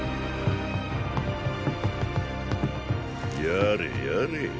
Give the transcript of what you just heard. やれやれ。